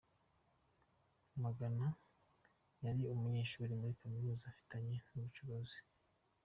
Muganga yari umunyeshuri muri Kaminuza abifatanya n’ ubucuruzi.